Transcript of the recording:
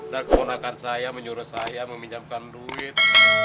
dan keponakan saya menyuruh saya meminjamkan duit